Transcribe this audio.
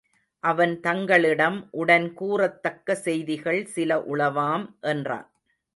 அவன் தங்களிடம் உடன் கூறத்தக்க செய்திகள் சில உளவாம் என்றான்.